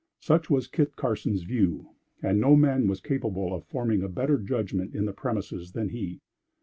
Such was Kit Carson's view; and no man was capable of forming a better judgment in the premises than he.